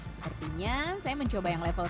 sepertinya saya mencoba yang level satu saja